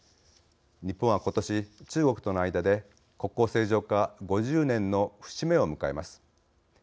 日本はことし中国との間で国交正常化５０年の節目を迎えます。